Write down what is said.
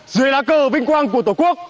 dưới lá cờ vinh quang của tổ quốc